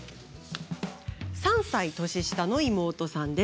３歳年下の妹さん。